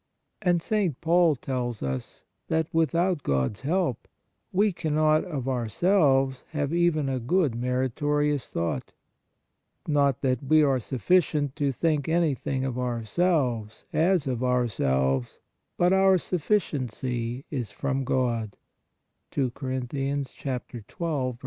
And St. Paul tells us that without God s help we cannot of ourselves have even a good, meritorious thought: " Not that we are sufficient to think anything of our selves, as of ourselves; but our sufficiency is from God" (II Cor. 12. 3).